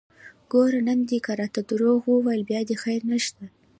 ګوره نن دې که راته دروغ وويل بيا دې خير نشته!